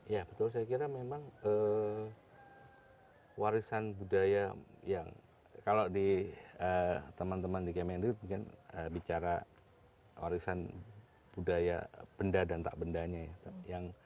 ya betul saya kira memang warisan budaya yang kalau di teman teman di kmn itu mungkin bicara warisan budaya benda dan tak bendanya ya